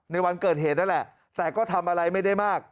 ในวันเกิดเหตุนั่นแหละแต่ก็ทำอะไรไม่ได้มาก